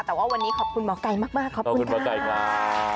แต่ว่าวันนี้ขอบคุณหมอกัยมากขอบคุณค่ะขอบคุณหมอกัยครับ